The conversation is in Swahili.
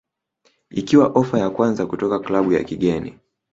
ikiwa ofa ya kwanza kutoka klabu ya kigeni